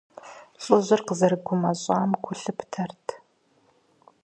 Лӏыжьыр къызэрыгумэщӀам гу лъыптэрт.